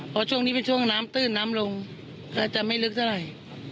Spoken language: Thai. เพราะช่วงนี้เป็นช่วงน้ำตื้นน้ำลงก็จะไม่ลึกเท่าไหร่